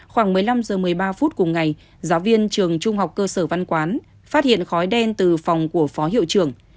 khoảng một mươi năm h một mươi ba phút cùng ngày giáo viên trường trung học cơ sở văn quán phát hiện khói đen từ phòng của phó hiệu trưởng